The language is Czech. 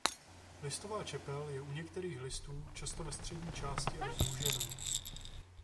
Listová čepel je u některých listů často ve střední části až zúžená.